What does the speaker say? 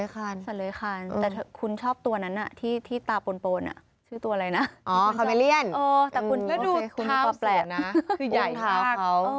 กล้ามสูงนะคือใหญ่มาก